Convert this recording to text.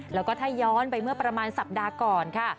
แล้วก็ถ้าย้อนไปเมื่อประมาณสัปดาห์ก่อนค่ะ